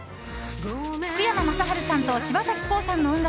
福山雅治さんと柴咲コウさんの音楽